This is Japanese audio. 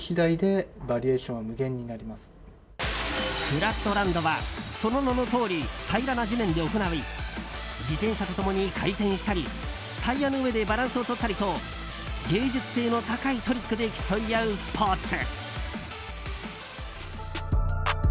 フラットランドはその名のとおり平らな地面で行い自転車と共に回転したりタイヤの上でバランスをとったりと芸術性の高いトリックで競い合うスポーツ。